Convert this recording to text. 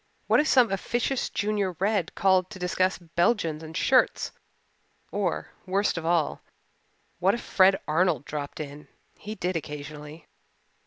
What if some officious Junior Red called to discuss Belgians and shirts? Or, worst of all, what if Fred Arnold dropped in? He did occasionally.